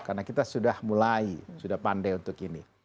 karena kita sudah mulai sudah pandai untuk ini